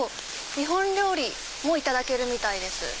日本料理もいただけるみたいです。